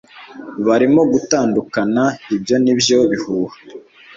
barimo gutandukana Ibyo ni byo bihuha